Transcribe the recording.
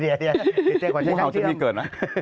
เดี๋ยวจริงหัวใจช่างช่างที่ดำ